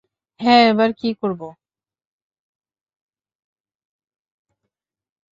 হ্যাঁ, এবার কি করব?